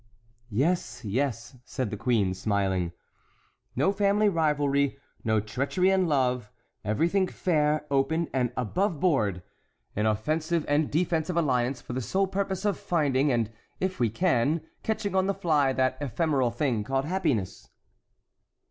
"Yes, yes," said the queen, smiling. "No family rivalry, no treachery in love; everything fair, open, and aboveboard! An offensive and defensive alliance, for the sole purpose of finding and, if we can, catching on the fly, that ephemeral thing called happiness."